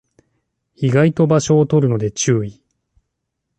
意外と場所を取るので注意